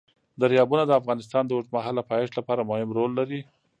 دریابونه د افغانستان د اوږدمهاله پایښت لپاره مهم رول لري.